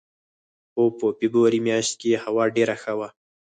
خو په فبروري میاشت کې هوا ډېره ښه وه.